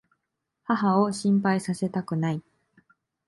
母を心配させたくない。